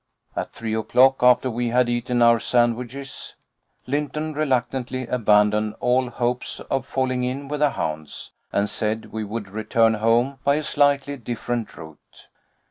At three o'clock, after we had eaten our sandwiches, Lynton reluctantly abandoned all hopes of falling in with the hounds, and said we would return home by a slightly different route.